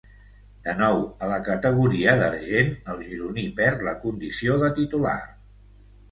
De nou a la categoria d'argent, el gironí perd la condició de titular.